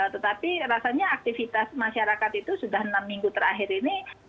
tetapi rasanya aktivitas masyarakat itu sudah enam minggu terakhir ini